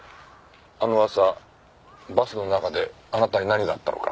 あの朝バスの中であなたに何があったのか。